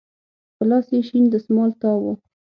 په لاس يې شين دسمال تاو و.